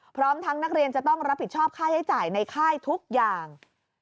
พร้อมทั้งนักเรียนจะต้องรับผิดชอบค่าใช้จ่ายในค่ายทุกอย่าง